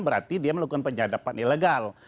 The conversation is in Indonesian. berarti dia melakukan penyadapan ilegal